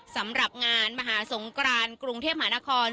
สำหรับงานมหาสงกรานกรุงเทพมหานคร